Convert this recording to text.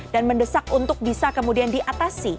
dan mendesak untuk bisa kemudian diatasi